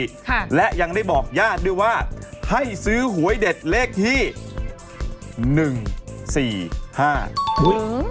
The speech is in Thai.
ค่ะและยังได้บอกญาติด้วยว่าให้ซื้อหวยเด็ดเลขที่หนึ่งสี่ห้าอุ้ย